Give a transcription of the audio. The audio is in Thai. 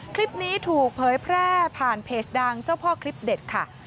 คลิปนี้ถูกเผยแพร่ผ่านเพจดังเจ้าพ่อคลิปเด็ดค่ะ